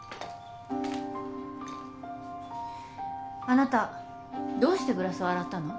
あなたどうしてグラスを洗ったの？